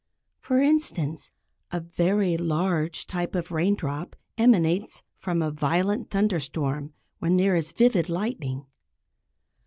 For instance, a very large type of raindrop emanates from a violent thunder storm, when there is vivid lightning.